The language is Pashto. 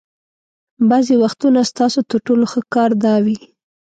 بعضې وختونه ستاسو تر ټولو ښه کار دا وي.